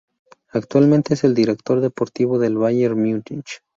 Actualmente es el director deportivo del Bayern de Múnich.